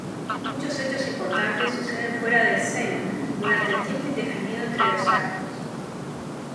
Muchos hechos importantes suceden fuera de escena, durante el tiempo indefinido entre los actos.